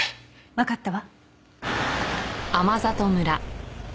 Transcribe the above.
わかったわ。